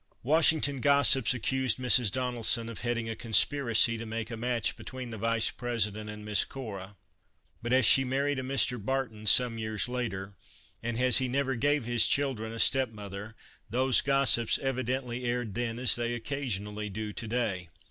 Washington gossips accused Mrs. Donelson of heading a conspiracy to make a match between the Vice President and Miss Cora, but as she married a Mr. Barton some years later, and as he never gave his children a step mother, those gossips evidently erred then as they occasionally do to day.